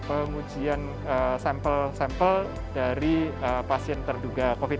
pengujian sampel sampel dari pasien terduga covid sembilan belas